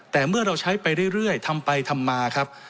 แต่เมื่อเราใช้ไปเรื่อยทำไปทำมาครับ